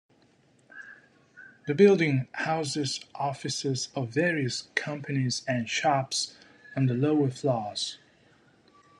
The building houses offices of various companies and shops on the lower floors.